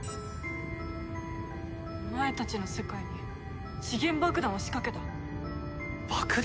「お前たちの世界に時限爆弾を仕掛けた」！？爆弾！？